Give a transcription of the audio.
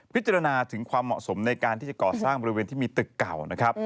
พิจารณาถึงความเหมาะสมในการที่จะก่อสร้างบริเวณที่มีตึกเก่านะครับ